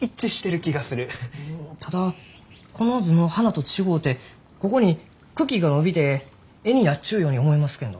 ただこの図の花と違うてここに茎が伸びて柄になっちゅうように思いますけんど。